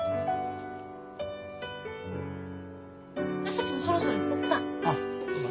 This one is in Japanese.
私たちもそろそろ行こっか？